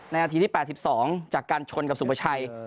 นาทีที่๘๒จากการชนกับสุประชัย